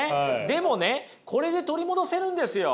でもねこれで取り戻せるんですよ。